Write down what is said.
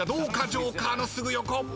ジョーカーのすぐ横。